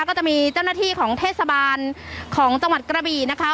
ก็จะมีเจ้าหน้าที่ของเทศบาลของจังหวัดกระบี่นะคะ